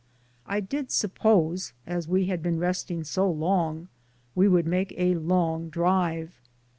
I did suppose, as we had been resting so long, we would make a long drive.